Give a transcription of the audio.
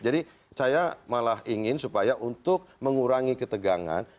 jadi saya malah ingin supaya untuk mengurangi ketegangan